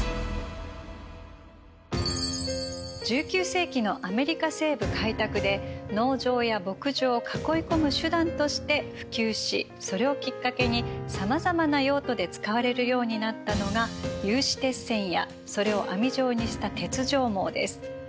１９世紀のアメリカ西部開拓で農場や牧場を囲い込む手段として普及しそれをきっかけにさまざまな用途で使われるようになったのが有刺鉄線やそれを網状にした鉄条網です。